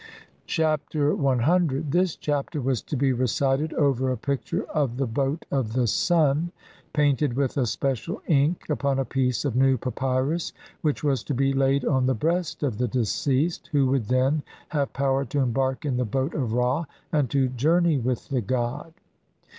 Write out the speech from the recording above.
Chap. C. This Chapter was to be recited over a picture of the boat of the Sun painted with a special ink upon a piece of new papyrus, which was to be laid on the breast of the deceased, who would then have power to embark in the boat of Ra and to journey with the god.